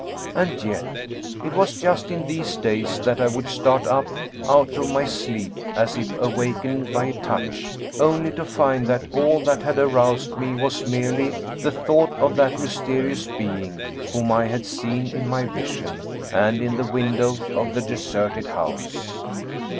And yet, it was just in these days that I would start up out of my sleep as if awakened by a touch, only to find that all that had aroused me was merely the thought of that mysterious being whom I had seen in my vision and in the window of the deserted house.